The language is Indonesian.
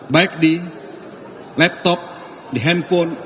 baik di laptop di handphone